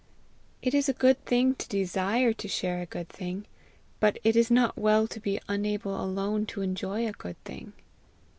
It is a good thing to desire to share a good thing, but it is not well to be unable alone to enjoy a good thing.